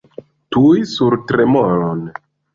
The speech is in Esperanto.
Tuj sur tremolon!